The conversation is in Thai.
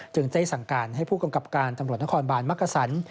ได้สั่งการให้ผู้กำกับการตำรวจนครบาลมักกษัน